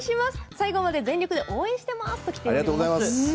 最後まで全力で応援してますということです。